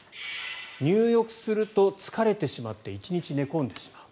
入浴すると疲れてしまって１日寝込んでしまう。